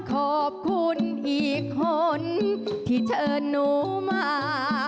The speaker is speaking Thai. ขอบคุณอีกคนที่เชิญหนูมา